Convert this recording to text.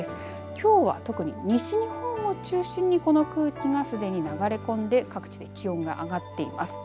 きょうは特に西日本を中心にこの空気がすでに流れ込んで各地で気温が上がっています。